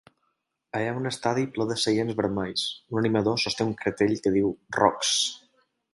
Hi ha un estadi ple de seients vermells, un animador sosté un cartell que diu ROCKS.